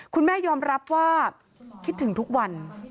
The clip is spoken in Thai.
คุณแม่ยอมรับว่าคิดถึงทุกวัน